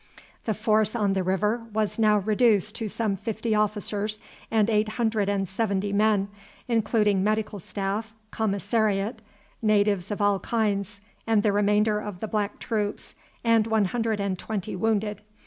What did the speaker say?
The force on the river was now reduced to some fifty officers and eight hundred and seventy men, including medical staff, commissariat, natives of all kinds, and the remainder of the black troops and one hundred and twenty wounded.